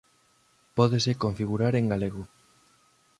Pódese configurar en galego.